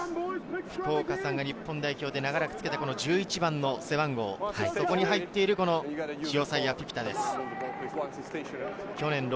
福岡さんが日本代表で長らく付けた１１番の背番号、そこに入っているフィフィタです。